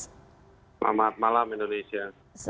selamat malam indonesia